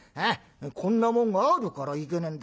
こんなもんがあるからいけねえんだ。